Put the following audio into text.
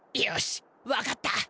よし分かった！